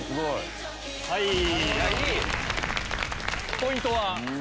ポイントは？